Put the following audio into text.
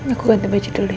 aku ganti baju dulu ya